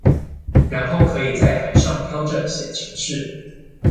然後可以在海上漂著寫程式